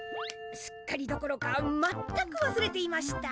すっかりどころか全くわすれていました。